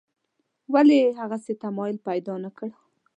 ولې یې هغسې تمایل پیدا نکړ.